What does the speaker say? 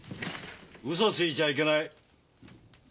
嘘ついちゃいけない。